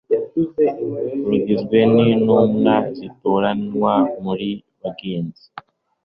rugizwe n intumwa zitoranywa muri bagenzi